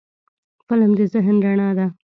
فلم د ذهن رڼا ده